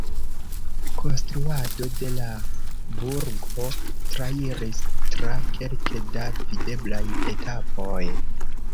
Konstruado de la burgo trairis tra kelke da videblaj etapoj.